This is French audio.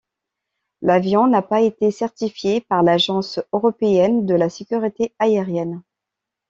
L'avion n'a pas été certifié par l'Agence européenne de la sécurité aérienne.